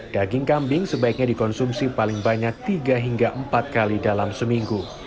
daging kambing sebaiknya dikonsumsi paling banyak tiga hingga empat kali dalam seminggu